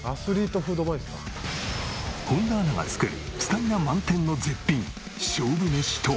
本田アナが作るスタミナ満点の絶品勝負飯とは？